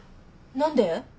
何で？